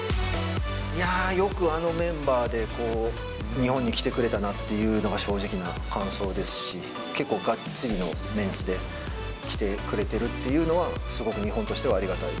よくあのメンバーで、日本に来てくれたなっていうのが正直な感想ですし、結構がっつりのメンツで、来てくれてるっていうのは、すごく日本としてはありがたい。